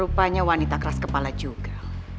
rupanya wanita keras kepala juga